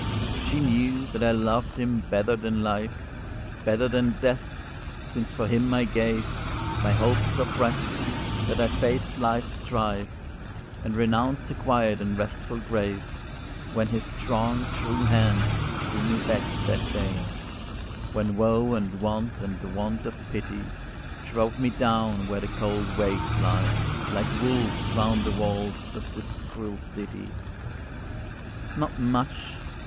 If she knew that I loved him better than life, Better than death; since for him I gave My hopes of rest, that I faced life's strife, And renounced the quiet and restful grave, When his strong, true hand drew me back that day, When woe, and want, and the want of pity Drove me down where the cold waves lay Like wolves round the walls of this cruel city. "Not much?"